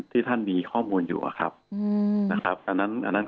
ที่ท่านมีข้อมูลอยู่นะครับอันนั้นคือสมมุติเราเจอตัวตน